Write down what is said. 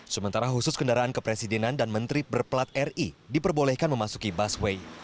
sementara khusus kendaraan kepresidenan dan menteri berplat ri diperbolehkan memasuki busway